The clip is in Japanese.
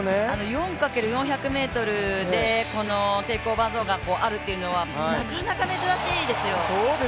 ４×４００ｍでこのテイク・オーバー・ゾーンがあるっていうのはなかなか珍しいですよ。